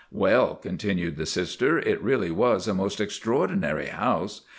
"Well," continued the Sister, "it really was a most extraordinary house.